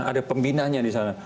ada pembinanya di sana